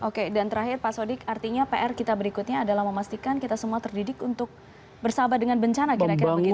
oke dan terakhir pak sodik artinya pr kita berikutnya adalah memastikan kita semua terdidik untuk bersahabat dengan bencana kira kira begitu ya